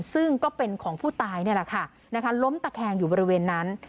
ซึ่งก็เป็นของผู้ตายนี่แหละค่ะล้มตะแคงอยู่บริเวณนั้น